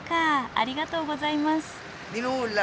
ありがとうございます。